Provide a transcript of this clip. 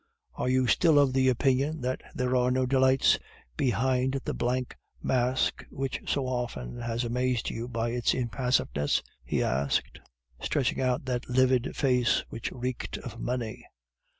Are you still of the opinion that there are no delights behind the blank mask which so often has amazed you by its impassiveness?' he asked, stretching out that livid face which reeked of money.